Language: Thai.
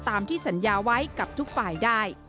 ตามที่สัญญาไว้กับทุกฝ่ายได้